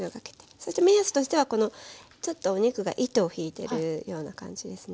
そして目安としてはこのちょっとお肉が糸を引いてるような感じですね